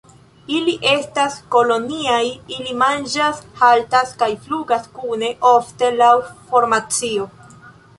Ili estas koloniaj; ili manĝas, haltas kaj flugas kune, ofte laŭ formacio.